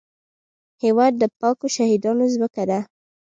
هېواد د پاکو شهیدانو ځمکه ده